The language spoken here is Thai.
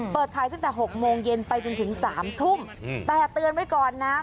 เปิดขายตั้งแต่๖โมงเย็นไปจนถึง๓ทุ่มแต่เตือนไว้ก่อนนะ